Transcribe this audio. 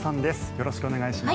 よろしくお願いします。